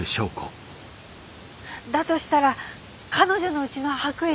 だとしたら彼女のうちの白衣です。